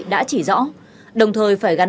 đã chỉ rõ đồng thời phải gắn